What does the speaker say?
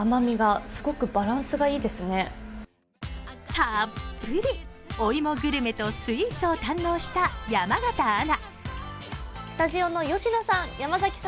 たっぷり、お芋グルメとスイーツを堪能した山形アナ。